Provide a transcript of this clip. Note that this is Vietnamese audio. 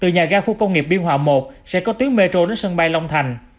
nhà ga khu công nghiệp biên hòa một sẽ có tuyến metro đến sân bay long thành